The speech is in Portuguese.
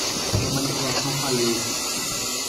Sua manipulação falhou.